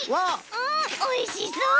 うんおいしそう！